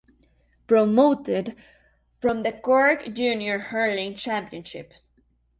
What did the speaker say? Promoted from the Cork Junior Hurling Championship